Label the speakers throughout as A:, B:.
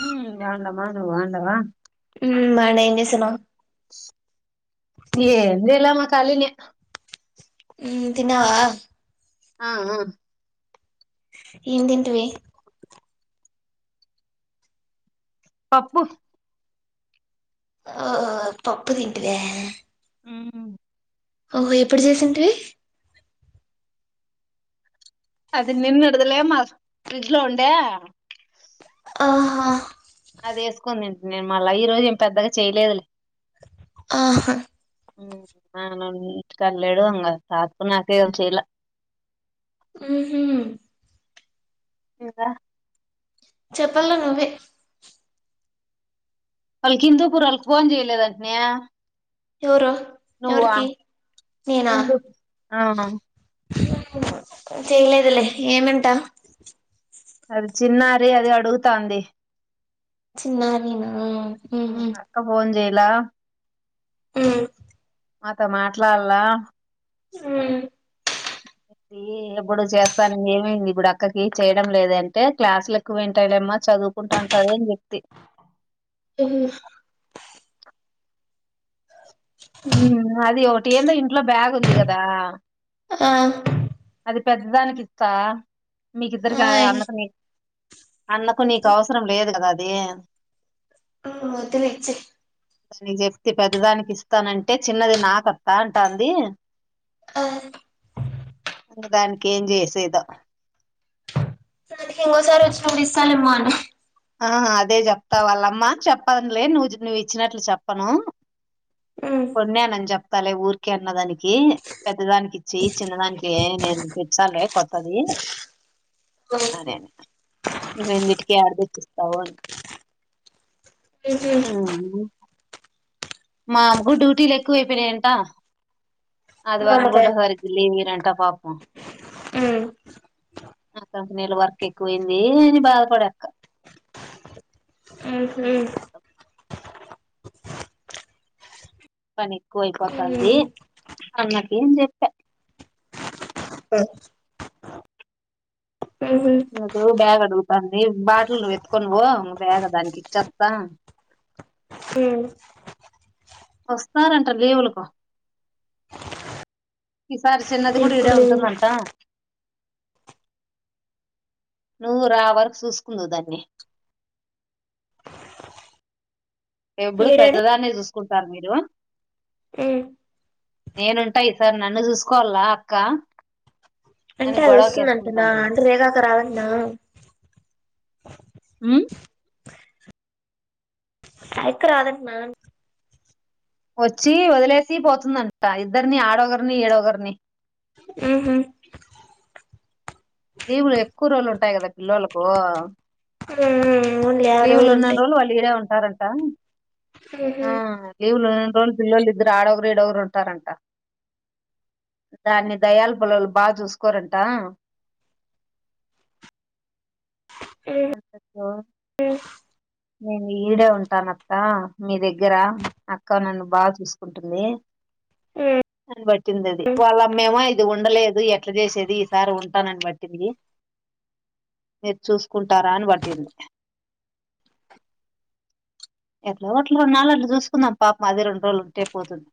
A: ఊ బాగుండాం బాగుండాం నువ్వు బాగుండావా
B: ఊ బాండ ఏం చేస్తన్నావ్
A: ఏం చైలా మాక్ కాలినే
B: ఊ తిన్నావా
A: ఆ ఆ
B: ఏం తింటివి
A: పప్పు
B: ఆ పప్పు తింటివ్యా
A: ఊ
B: ఓహో ఎప్పుడు చేసింటివి
A: అది నిన్నటిది లేమ్మ ఫ్రిడ్జ్ లో ఉండ్యా
B: ఆహా
A: అదేసుకొని తింటున్నా నేను మళ్ళా ఈ రోజు ఏం పెద్దగా చేయలేదు లె
B: ఆహ
A: నా మనవడు ఇంటికాడ లేడు ఇంకా తాతకు నాకే కదా అని చేయ్యల
B: ఉహు
A: ఇంకా
B: చెప్పల్ల నువ్వే
A: వాళ్ళకి హిందూపూర్ వాళ్ళకి ఫోన్ చెయలేదంటనే
B: ఎవరు
A: నువ్వా
B: ఎవరికి
A: ముందు అవును
B: చేయలేదులె ఏమంటా
A: అది చిన్నారి అది అడుగుతాంది.
B: చిన్నారినా ఉహు
A: ఇలా
B: ఉమ్
A: మాతో మాట్లాడలా
B: ఉ
A: చెప్తి ఎప్పుడు చేస్తాను ఏమైంది ఇప్పుడు అక్కకి చేయడం లేదే అంటే క్లాసులు ఎక్కువ అయ్యి ఉంటాయి లేమ్మా చదువుకుంటాంటది అని చెప్
B: ఉహు
A: హుమ్ అది ఓవ ఏందో ఇంట్లో బ్యాగ్ ఉంది గదా
B: ఆ
A: పెద్దదానికి ఇస్తా మీకు ఇద్దరుగా
B: ఆయ్
A: అన్నకు నీ అన్నకు నీకు అవసరం లేదు కాద అది ఏ అన్దు
B: ఆ వద్దులే ఇచే
A: దానికి చెప్తి పెద్దదానికి ఇస్ స్తానంటే చిన్నది నాకత్తా అంటంది
B: ఆ
A: దాని ఏం చేసేదో
B: దానికి ఇంగోసారి వచ్చినప్పుడు ఇస్తాలేమ్మ అను
A: ఆ అదే చెప్తా వాళ్ళమ్మా చెప్పనులే నువ్వు నువ్వు ఇచ్చినట్లు చెప్పను
B: ఉమ్
A: పొయినాని జ తలే ఊరికే అన్న దానికి పెద్ద దానికి ఇచ్చి చిన్న దానికి నేను తేచ్చాలే కొత్తది అదేనే రెండీటికి ఆర్డర్ ఇచ్చేసే పవోన్టు
B: ఉహు
A: ఆ హు మా అమకు డ్యూటీలు ఎక్కువ అయిపెనయంట ఆదివారం
B: మామిడికాయ
A: కూడా సరిగ్గ లేదు. వెంట పాపం
B: ఉమ్
A: నాకు కంపెనీలో వర్క్ ఎక్కువైన్ది అని బాధపడేక్క
B: ఉహు
A: పని ఎక్కువై పోతంది అన్నకి చెప్పే
B: అ
A: నుకు బ్యాగు అడుగుతంది బాటిల్ నువ్ ఎత్తుకొని పో నువ్ బ్యాగ దానికి ఇచ్చత వస్తారంట లీవులకు ఈ సారి చిన్నది కూడా ఈడే
B: ఇప్పుడు
A: ఉంటుందంట నువ్వు రా వరకు చూసుకుందవు దాన్ని ఎప్పుడు
B: ఈడాడు
A: ఫైదాదా చూస్త కుంటారు మీరు
B: ఉమ్
A: నేనుంటా ఇ సార్ నన్ను చూసుకోవాల అక్క అని
B: అంటే అది
A: గొడవకి
B: వస్తుందంటు నా
A: వేసుకుంటాను
B: అంటే రేగాక రావం నా
A: ఉమ్
B: అయక్కా రాధ్అంటానా
A: వచ్చి వదిలేసి పోతుందంట ఇద్దరిని ఆడొ ఒగరినీ ఇడో ఒగారిని
B: హు ఉమ్
A: కూరళ్లు ఉంటాయి కదా పిల్లొలకు
B: ఓన్లీ యాభై
A: లీవులు ఉన్న
B: ఉంటాయి
A: రోజులు వాళ్ళు ఇడే సారంటా ఆ
B: ఉహు
A: లీవులు ఉనాను ఇంట్లో నీ పిల్లోలు ఇద్దరు ఆడొగురు ఇడొగురు ఉంటారంట దాన్ని దయాల పొలలు బాగా చూసుకోరంట అంతటితో నేను ఈడే ఉంటాన అక్క మీ దగ్గర అక్క నన్ను బాగా చూసుకుంటుంది. అని పట్టింది అధి వాళ్ళమ్మేమో ఇది ఉ ఉండలేదు ఎట్లా చేసేది ఈసారి ఉంటానని పట్టింది మీరు చూసుకుంటారా అని పట్టింది. ఏట్లో గట్ల ఉన్నాలో అట్లా చూసుకుందాం పాపం అదే రెండు రోజులు ఉంటే పోతది.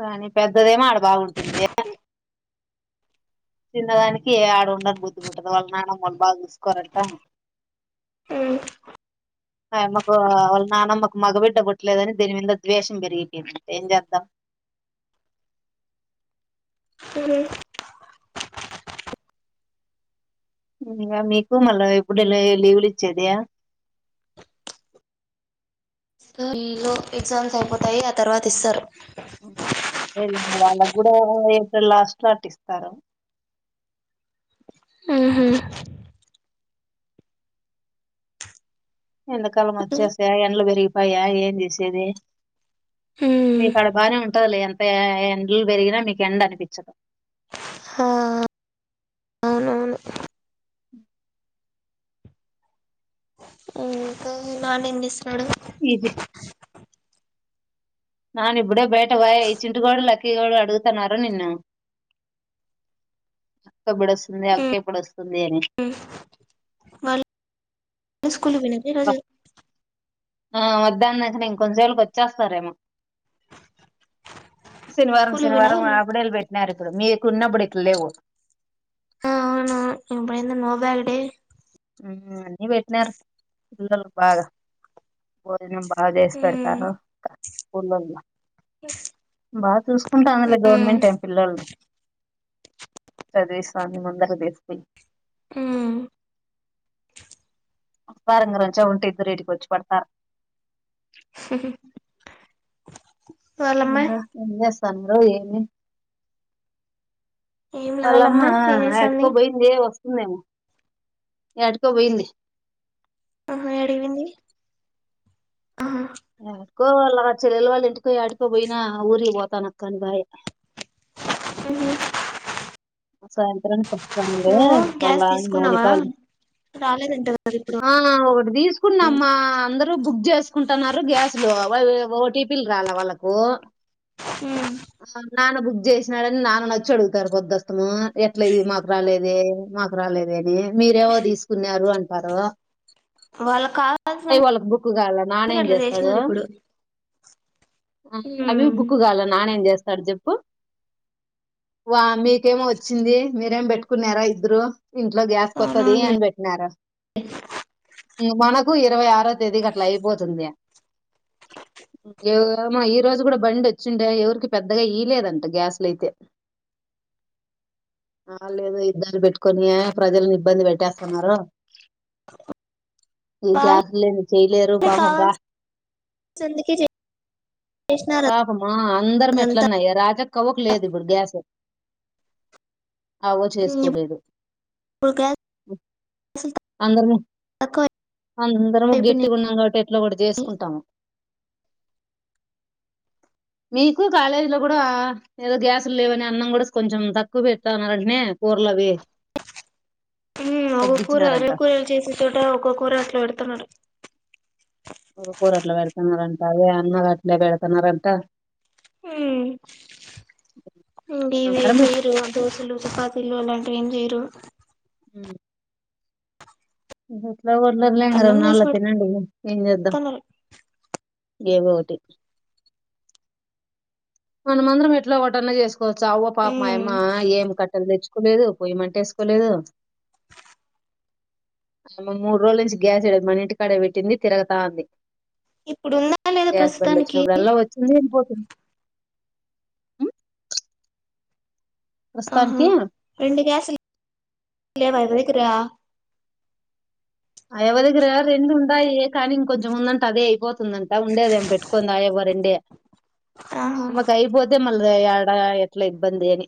A: రాని పెద్దదేమో ఆడ బాగుంటుంది చిన్నదానికి ఏ ఆడ ఉండని బుద్ధి పంటది వాళ్ళు నాన్నమా వాళ్ళు బాగా చూసుకోరంట.
B: ఉమ్
A: మాకు వాళ్ళ నాన్నమాకు మగబిడ్డ పుట్టలేదని దీని మీద ద్వేషం పెరిగిపోయింది ఏం చేద్దాం
B: ఉం
A: ఇంకా మీకు మళ్ళా ఎప్పుడులా లీవులు ఇచ్చేది
B: ఈలో ఎగ్జామ్స్ అయిపోతాయి ఆ తర్వాత ఇస్తారు
A: ఆ లే వాళ్ళకు కూడా ఏప్రిల్ లాస్ట్ లో అటి ఇస్తారు.
B: హు ఉమ్
A: ఎండాకాలం వచ్చాసే ఎండాల్ పెరిగి పాయా ఏం చేసేది మీకు అడ బాగానే ఉంటదిలే ఎండల్ పెరిగిన మీకు ఎండ అనిపించదు.
B: హా అవును
A: [inaudible]
B: ఇంకా నానీ తీసుకోరాదని
A: ఇదే నాన్న ఇప్పుడే బయట బయ చింటుగాడ లక్కీగాడు అడుగుతున్నారు నిన్ను, అక్క ఎప్పుడొస్తుంది అక్కే ఎప్పుడొస్తుంది అని.
B: వాళ్ స్ స్కూల్ పోయినాక ఈరోజు
A: ఆ వద్దాన్నకనే ఈ కొంచసేపాటిలో వచ్చేస్తారేమో శనివారం
B: స్కూల్ కి పోయినారా
A: శనివారం
B: వాళ్ళు
A: ఆవిడేళ్ళ పెట్టి మీకు ఉన్నప్పుడు ఇట్లా లేవు.
B: ఆ అవును ఎప్పుడుంత నో బ్యాగడే
A: ఉ అన్నీ పెటినారు ఊరోళ్ళు బాగా భోజనం బా బా చేస్ పెడతారు. ఊర్లోలు మా బాగాచూసుకుంటందిలే గవర్నమెంట్ ఏం పిల్లల్ని. చదివిస్తోంది ముందర తీసుకపోయి.
B: ఉ
A: పారంంగరంచా ఉంటే ఇద్దరేంటికి వచ్చి పడతారు.
B: వాళ్ళమ్మాయి
A: ఇంకా ఏం చేస్ తాండ్రు ఏమీ
B: ఏం లే
A: వాళ్ళమ్మా
B: వాళ్ళమ్మాయి ఏం చేస్తుంది
A: ఎటుకోబయింది వస్తు ఉన్నా ఎడ్కో పోయిది
B: ఆ ఏదికిపోంది
A: ఆ క్కో వాళ్ళ చెల్లెల్ల వాళ్ళు ఇంటికి ఎడికో పోయినా ఊరికి పోతాన అక్క అని బాయ.
B: ఊహూ
A: సాయంత్రం వాస్ తాంది వాళ్ల
B: గ్యాస్
A: మౌనిక
B: తీసుకున్నావా
A: వల ఇంట్.
B: రాలేదంట కదా ఇప్పుడు
A: ఆ ఒకటి తీసుకున్న మా అందరూ బుక్ చేసుకుంటున్నారు గ్యాస్లు వాల్ ఓ టీపిల్ రాాల వాళ్ళలకు
B: ఉ
A: నాన్న బుజ్ చేసినడ అని నాన్న నచ్చి అడుగుతారు పోద్దా మత్తము ఎట్లేది మాకు రాలేద మాకు రాలేదే. మీరేవో తీసుకున్నారు అం టార్
B: వాళ్ళకి
A: అవి
B: కావాల్సినందుకు
A: వాళ్ళకు బుక్ కావాలా నానేం
B: అట్లా
A: చేస్తాడు
B: చేసినారు ఇప్పుడు
A: అవి బుక్ కావాలా నానేం చేస్తా సారీ చెప్పు వామి కెమో వచ్చింది మీరేం పెట్టుకున్నారా ఇద్దరు. ఇంట్లో గ్యాస్ కొత్తది
B: అవునవునులే
A: అని పెట్టినారు మన ఇరవై ఆరో తేదీకి అట్లా అయిపోతుంది. ఏమో ఈ రోజు కూడా బండి వచ్చిండే ఎవరికి పెద్దగా ఈయలేదంట గ్యాస్లు అయితే. ఆ లేదు ఇద్దరు పెట్టుకొనీ ప్రజల్ని ఇబ్ బ్బంది పెట్టేస్తున్నారూ ఈ
B: వాళ్ళకి
A: గ్యాస్ లేంది చేయలేరు పాపం రా
B: కావాల్సినందుకే చేసినారు
A: పాపమూ అందరం
B: అదంతా
A: ఎట్లన్నా రాజక్కవ్వకు లేదు ఇప్పుడు గ్యాస్ అవ్వో చేసుకోలేదు.
B: ఇప్పుడు గ్యాసులు
A: అందరము
B: తక్కువ
A: అందరము
B: అయిపోయినాయి
A: గట్టిగున్నాం కాబట్టి ఎట్ల ఓ ఒకటి చేసుకుంటాము. మీకు కాలేజీ లో గూడా ఏదో గ్యాసులు లేవని అన్నం కూడా కొంచెం తక్కువ పెడతా ఉన్నరంటనే.
B: ఉమ్ ఒక్కొ కూర
A: తగ్గించినారంట
B: రెండు కూరలు చేసే చోట ఒక్క కూరా అట్ల పెడుతున్నారు.
A: ఒక్కకూర అట్లా పెడుతున్నారంట అదే అన్నగట్లే పెడుతున్నారంటా.
B: ఉమ్ వే చేయరు దోశలు, చపాతీలు అలాంటివి ఏం చెయరు.
A: ఊ [unintelligible] ఎలాగూ వదలట్ లేం కదా
B: అన్నం చేసి
A: కొన్నాళ్ళు తినండి. ఏంచేద్దాం.
B: పెడుతున్నారు
A: ఇగ ఏవో ఒకటి. మన మందరం ఇట్లా వడ్డన చేస్ కోవచ్చు ఆ అవ్వో పాపం మా
B: ఉమ్
A: యమ్మా ఏం కట్టలు తెచ్ కోలేదు పొయ్యిమంట ఏసుకోలేదు. ఆమె మూడు రోజుల నుంచి గ్యాసే లేదు, మన ఇంటికాడే పెట్టింది తిరగతాంది.
B: ఇప్పుడు ఉందా లేదా
A: గ్యాస్ బండి
B: ప్రస్తుతానికి
A: వచ్చినప్పుడల్లా వచ్చింది వెళ్ళిపో
B: ఆహా
A: ప్రస్తుతానికి
B: రెండు గ్యాస్లు [inaudible] లేవా క్కరా
A: అయవ్వ దగ్గర రెండు ఉండాయి కానీ ఇంకొంచము ఉందంటే అదే అయిపోత్ తుందంటా ఉండేదేం పెట్టుకోన్ తాగేవ రెండే
B: ఆహా
A: ఆమె కైపోతే మ ళ్ళా ఏడా ఎట్లా ఇబ్బందీ అని.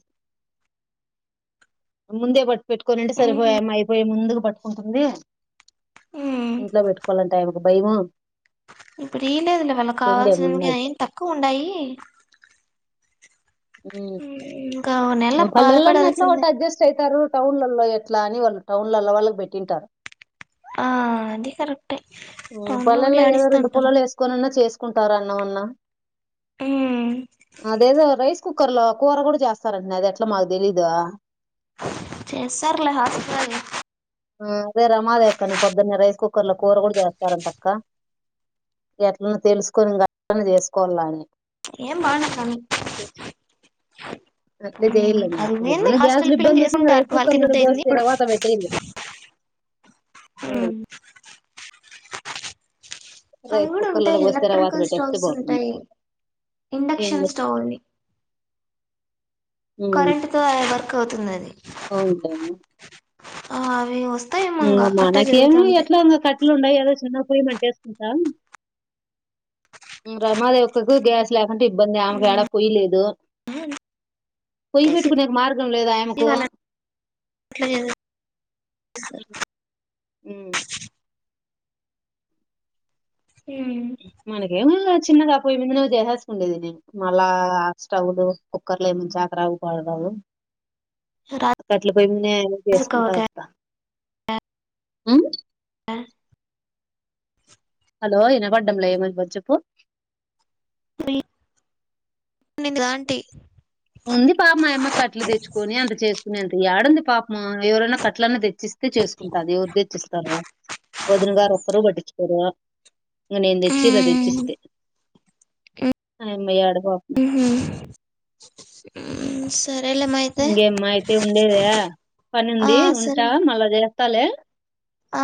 A: ముందే పట్ పెట్టుకొని ఉంటే సరిపోయే.
B: ఉహు
A: ఆ అమ్మాయ్ అయిపోయే ముందు పట్కుంటుందీ.
B: ఉమ్
A: ఇంట్లో పెట్టుకోవాలంట్ టైమ్ భయమూ.
B: ఇప్పుడు ఈ లేదు లే వాళ్ళ కావాల్సినదానికి
A: రెండేమున్నాయి
B: ఏం తక్కువ ఉండయీ.
A: హ్మ్
B: ఓ నెల
A: పల్లెల్లోనే ఎట్లా
B: బాధపడాల్సిందే
A: ఒకటి అడ్జస్ట్ అయిత రూ టౌన్లలో ఎట్లా అని వాళ్ళు టౌన్లలో వాళ్ళకి పెట్టింటారు
B: ఆ అది కరెక్టే టౌన్ లో కూడా
A: పల్లల్లో ఏదో
B: ఆడిస్తూ
A: రెండు
B: ఉంటారు
A: పుల్లలు వేసుకోనిన్నా చేసుకుంటారాని న్నాన్నా
B: ఉమ్
A: అదేదో రైస్ కుక్కర్లో కూర కూడా చేస్ సరేడి అది ఎట్లా మాకు తెలీదు
B: చేస్తారులే హస్పిటల్
A: ఆ అదే రమాాలే అక్కని పొద్దున్న రైస్ కుక్కర్ లో కూర కూడా చేస్తారంట అక్క ఎట్లన్నా తెలుసుకొని ఇంకా అట్లనే చేసుకోవాల అని
B: ఏం బండదంట కానీ
A: అట్ల
B: ఉమ్
A: జేయర్లేఇంగా
B: అది ఏంది
A: ఏమన్నా గ్యాస్
B: హాస్టల్ పిల్లలు
A: ఇబ్బంది
B: చేసుకుంటారు
A: వస్తేరైస్
B: వాళ్ళు
A: కుక్కర్ లో
B: తినబుద్ధి అయింది
A: బోసి
B: ఇప్పుడు
A: తిరగమాత బెట్టెయండి ఇలా
B: అవి కూడా
A: కుక్కర్ లోనే
B: ఉంటాయి
A: పోస్తే రవాత
B: ఎలక్ట్రికల్
A: పెట్టేస్తే
B: స్టవ్స్
A: బాగుంటుంది
B: ఉంటాయి
A: ఏం చే
B: ఇండక్షన్ స్టవ్ని
A: ఉమ్
B: కరెంట్ తోఎవర్ క్ అవుతుందది
A: అవునులే
B: ఆ అవి వస్
A: మనకు ఏమి ఎట్లా ఉన్న కట్ అట్లు ఉన్నాయి ఏదో చిన్న పొయ్యి మంటేసుకుంటా రమాదేవక్కకు గ్యాస్ లేకుంటే ఇబ్బందే ఆమెకు ఏడా పొయ్యి లేదు
B: అంతే
A: పొయ్యి
B: సిటీ
A: పెట్టుకునే కి మార్గం లేదు ఆమెకు
B: వాళ్ళ
A: హ్మ్
B: అట్లా
A: మనకే [unintelligible] చిన్నగా పొయ్యి ముంది ను చేసేసుకుండేది ఇది మళ్ళా స్టవ్లు కుక్కర్ లో ఏమనా చాకరావు [unintelligible] కట్లే పొయ్యి మీనే చేసుకుంటా
B: రాజుకవకాంటి
A: వస్తా హ్మ్
B: ఆ
A: హలో ఇనబడడంల ఏం అయిందో చెప్పు
B: లాంటి
A: ఉంది పా పమాయమ్మ కట్టలు తెచ్చుకొని అంత చేసుకుని అంత ఏడుంది హ్మ్ ఎవరైనా కట్టలన్న తెచ్చిస్తే చేసుకుంటది ఎవరు తెచ్చిస్తారు వదిన గారు ఒక్కరు పట్టించుకోరు ఇంక నేను తెచ్చిలా తెచ్చిస్తే
B: హ్మ్
A: ఇంకేమ్మ అయితే ఉండేద పని
B: ఆ
A: ఉంది
B: సరే
A: ఉంటా మళ్ళా చేస్ టలే
B: ఆ